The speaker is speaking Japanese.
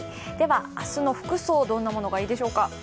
明日の服装、どんなものがいいでしょうか？